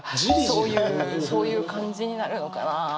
そういうそういう感じになるのかなあ。